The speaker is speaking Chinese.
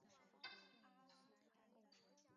肚子咕噜咕噜叫